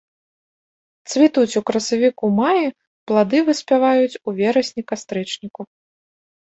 Цвітуць у красавіку-маі, плады выспяваюць у верасні-кастрычніку.